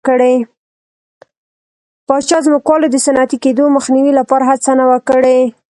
پاچا او ځمکوالو د صنعتي کېدو مخنیوي لپاره هڅه نه وه کړې.